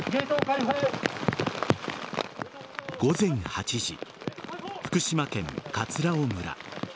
午前８時福島県葛尾村。